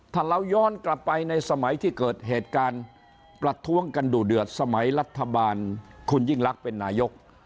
ถ้าเราย้อนกลับไปในสมัยที่เกิดเหตุการณ์ประท้วงกันดูเดือดสมัยรัฐบาลคุณยิ่งลักษณ์เป็นนายก